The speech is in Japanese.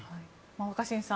若新さん